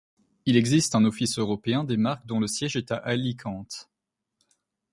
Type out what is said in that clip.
Il existe un Office européen des marques dont le siège est à Alicante.